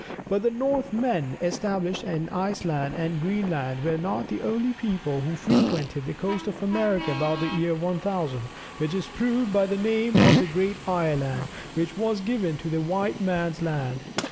But the Northmen, established in Iceland and Greenland, were not the only people who frequented the coast of America about the year 1000, which is proved by the name of "Great Ireland," which was given to White man's land.